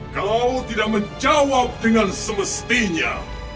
kau tidak menjawab dengan semestinya